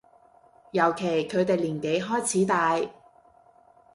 尤其佢哋年紀開始大